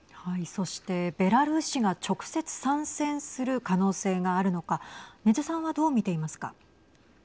そしてベラルーシが直接参戦する可能性があるのか禰津さんは、どう見ていますか。